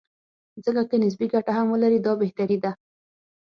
ځکه که نسبي ګټه هم ولري، دا بهتري ده.